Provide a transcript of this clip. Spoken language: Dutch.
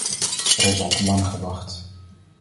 Er is al te lang gewacht.